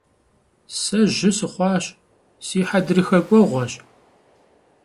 Сэ жьы сыхъуащ, си хьэдрыхэ кӀуэгъуэщ.